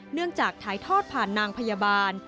เนื่องจากถ่ายทอดผ่านนางพยาบาล